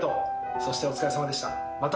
そしてお疲れさまでした。